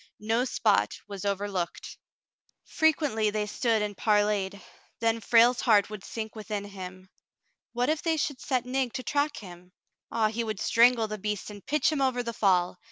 No spot was over looked. Frequently they stood and parleyed. Then Frale's heart would sink within him. What if they should set Nig to track him ! Ah, he would strangle the beast and pitch him over the fall.